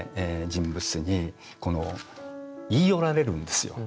人物に言い寄られるんですよ。